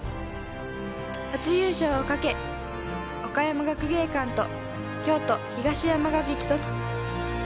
初優勝をかけ、岡山学芸館と京都・東山が激突。